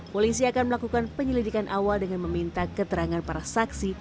polisi akan melakukan penyelidikan awal dengan meminta keterangan para saksi